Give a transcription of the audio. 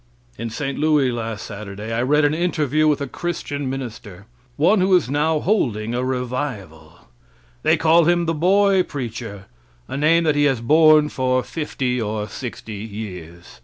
In St. Louis last Sunday I read an interview with a Christian minister one who is now holding a revival. They call him the boy preacher a name that he has borne for fifty or sixty years.